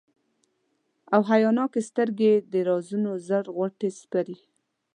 او حیاناکي سترګي یې د رازونو زر غوټي سپړي،